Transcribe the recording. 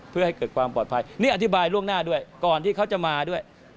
เพื่อให้เกิดความปลอดภัยนี่อธิบายล่วงหน้าด้วยก่อนที่เขาจะมาด้วย